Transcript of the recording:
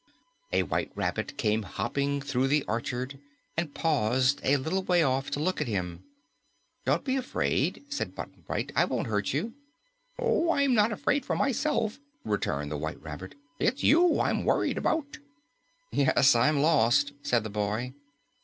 A White Rabbit came hopping through the orchard and paused a little way off to look at him. "Don't be afraid," said Button Bright. "I won't hurt you." "Oh, I'm not afraid for myself," returned the White Rabbit. "It's you I'm worried about." "Yes, I'm lost," said the boy.